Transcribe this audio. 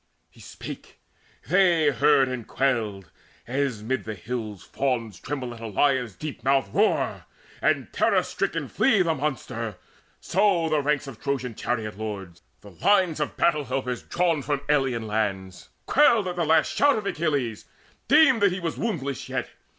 He spake; they heard and quailed: as mid the hills Fawns tremble at a lion's deep mouthed roar, And terror stricken flee the monster, so The ranks of Trojan chariot lords, the lines Of battle helpers drawn from alien lands, Quailed at the last shout of Achilles, deemed That he was woundless yet.